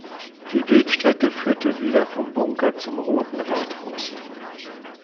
Die Wegstrecke führte wieder vom Bunker zum Roten Rathaus.